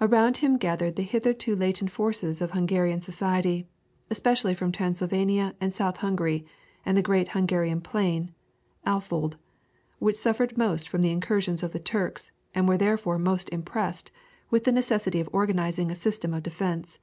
Around him gathered the hitherto latent forces of Hungarian society, especially from Transylvania and South Hungary and the Great Hungarian Plain (Alföld), which suffered most from the incursions of the Turks and were therefore most impressed with the necessity of organizing a system of defence.